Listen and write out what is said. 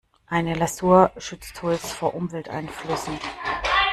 Eine Lasur schützt Holz vor Umwelteinflüssen.